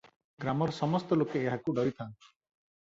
ଗ୍ରାମର ସମସ୍ତ ଲୋକେ ଏହାକୁ ଡରିଥାନ୍ତି ।